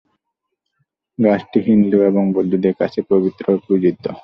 গাছটি হিন্দু এবং বৌদ্ধদের কাছে পবিত্র ও পূজিত।